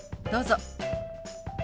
どうぞ。